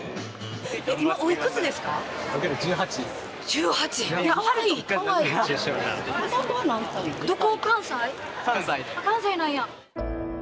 １８！関西なんや。